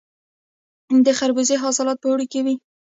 د خربوزو حاصلات په اوړي کې وي.